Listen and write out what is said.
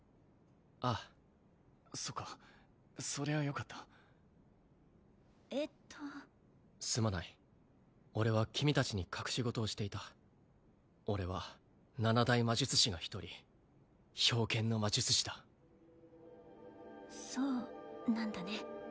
ああそっかそりゃよかったえっとすまない俺は君達に隠し事をしていた俺は七大魔術師が一人冰剣の魔術師だそうなんだね